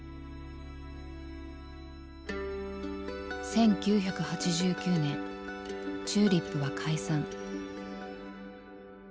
１９８９年ＴＵＬＩＰは解散。